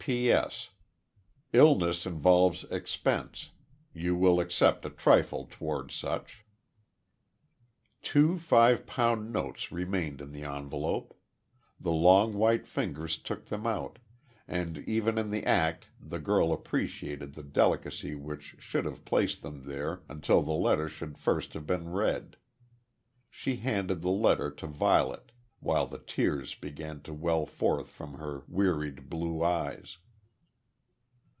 "PS. Illness involves expense. You will accept a trifle towards such." Two five pound notes remained in the envelope. The long white fingers took them out, and even in the act the girl appreciated the delicacy which should have placed them there until the letter should first have been read. She handed the letter to Violet, while the tears began to well forth from her wearied blue eyes.